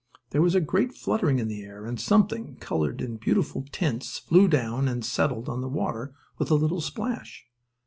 There was a great fluttering in the air, and something, colored in beautiful tints, flew down and settled on the water with a little splash.